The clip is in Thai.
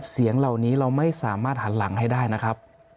เสียงเหล่านี้เราไม่สามารถหันหลังให้ได้นะครับ